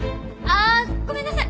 ああごめんなさい！